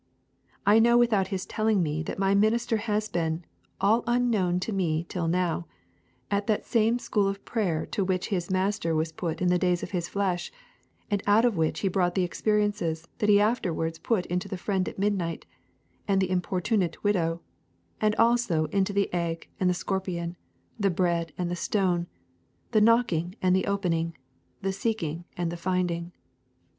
I know without his telling me that my minister has been, all unknown to me till now, at that same school of prayer to which his Master was put in the days of His flesh, and out of which He brought the experiences that He afterwards put into the Friend at midnight, and the Importunate widow, as also into the Egg and the scorpion, the Bread and the stone, the Knocking and the opening, the Seeking and the finding.